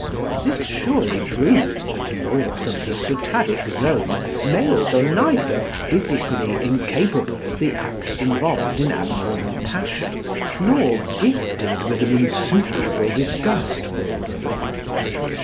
" This surely proves that north of the Sotadic Zone males are neither physically incapable of the acts involved in abnormal passion, nor gifted with an insuperable disgust for them.